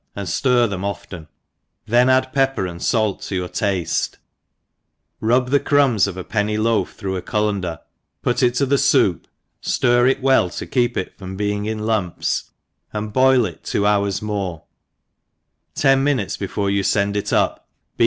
and (lir them often, then add pepper and fait to your tafte> rub the crumbs of a penny loaf through a cullender, put it to the foup, ftir it well to keep it from being in lumps, and boil it two hours more ; ten minutes before you fend it up beat th?